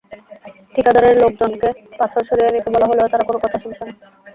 ঠিকাদারের লোকজনকে পাথর সরিয়ে নিতে বলা হলেও তাঁরা কোনো কথা শুনছেন না।